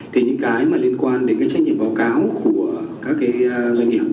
thì những cái mà liên quan đến cái trách nhiệm báo cáo của các cái doanh nghiệp